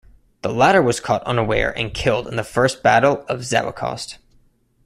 The latter was caught unaware and killed in the first battle at Zawichost.